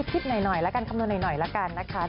คิดหน่อยแล้วกันคำนวณหน่อยละกันนะคะ